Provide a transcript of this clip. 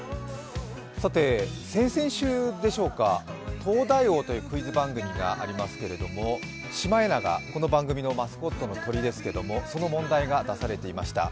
さて、先々週でしょうか、「東大王」というクイズ番組がありますけれどもシマエナガ、この番組のマスコットの鳥ですけれども、その問題が出されていました。